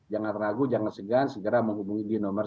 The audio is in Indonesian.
jangan ragu jangan segan segera menghubungi di nomor satu ratus dua belas